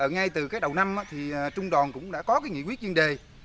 ngay từ đầu năm thì trung đoàn cũng đã có nghị quyết vấn đề